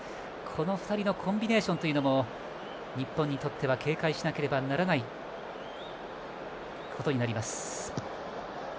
この２人のコンビネーションも日本は警戒しなければならないことになります。